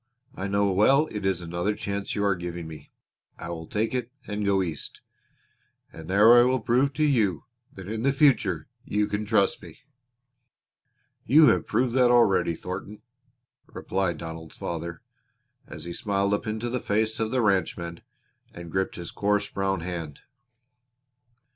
I know well it is another chance you are giving me. I will take it and go East, and there I will prove to you that in the future you can trust me." "You have proved that already, Thornton," replied Donald's father, as he smiled up into the face of the ranchman and gripped his coarse brown hand.